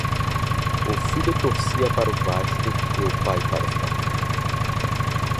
O filho torcia para o Vasco e o pai para o Flamengo